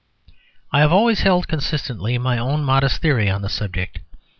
I have always held consistently my own modest theory on the subject.